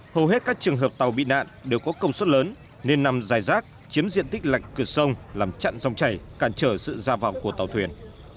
hầu hết các trường hợp tàu bị nạn đều có công suất lớn nên nằm dài rác chiếm diện tích lạnh cửa sông làm chặn dòng chảy cản trở sự ra vào của tàu thuyền